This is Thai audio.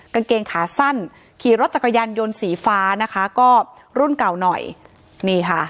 กางเกงขาสั้นขี่รถจักรยานยนต์สีฟ้านะคะก็รุ่นเก่าหน่อยนี่ค่ะ